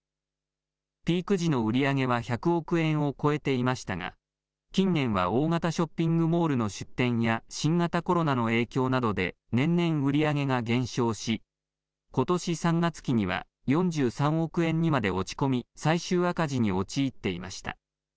ピーク時の売り上げは１００億円を超えていましたが、近年は大型ショッピングモールの出店や新型コロナの影響などで年々売り上げが減少し、ことし３月期には４３億円にまで落ち込み、最終赤字に陥っていました。